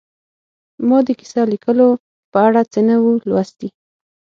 ما د کیسه لیکلو په اړه څه نه وو لوستي